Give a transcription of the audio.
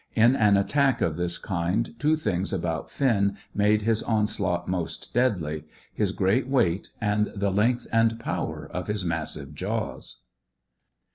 In an attack of this kind two things about Finn made his onslaught most deadly: his great weight, and the length and power of his massive jaws.